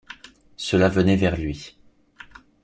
Cela venait vers lui.